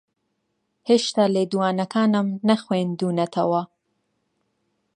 ھێشتا لێدوانەکانم نەخوێندوونەتەوە.